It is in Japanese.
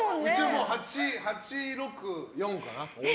８、６、４かな。